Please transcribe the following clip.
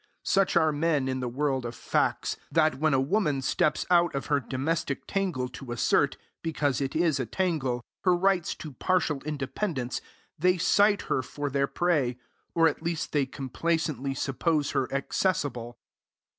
Such are men in the world of facts, that when a woman steps out of her domestic tangle to assert, because it is a tangle, her rights to partial independence, they sight her for their prey, or at least they complacently suppose her accessible.